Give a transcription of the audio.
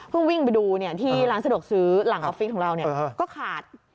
วิ่งไปดูที่ร้านสะดวกซื้อหลังออฟฟิศของเราก็ขาด